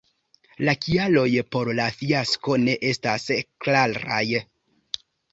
La kialoj por la fiasko ne estas klaraj.